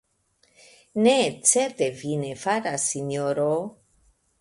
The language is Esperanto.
Ne, certe vi ne faras, sinjoro .